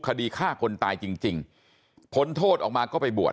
คดีฆ่าคนตายจริงพ้นโทษออกมาก็ไปบวช